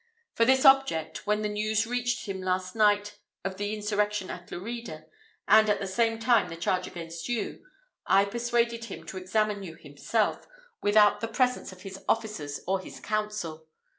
For this object, when the news reached him last night of the insurrection at Lerida, and, at the same time, the charge against you, I persuaded him to examine you himself, without the presence of his officers or his council.